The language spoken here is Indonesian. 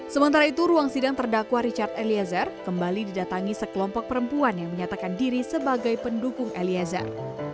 sementara itu ruang sidang terdakwa richard eliezer kembali didatangi sekelompok perempuan yang menyatakan diri sebagai pendukung eliezer